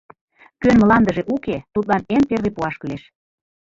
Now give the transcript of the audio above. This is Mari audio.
Кӧн мландыже уке, тудлан эн первый пуаш кӱлеш.